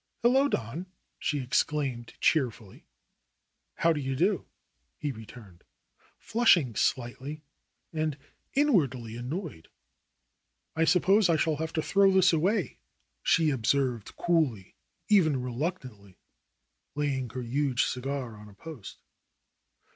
''Hello, Don she ex claimed cheerfully. "How d'ye do," he returned, flushing slightly and in wardly annoyed. "I suppose I shall have to throw this away," she ob served coolly even reluctantly, laying her huge cigar on a post.